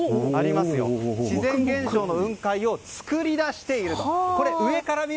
自然現象の雲海を作り出していると。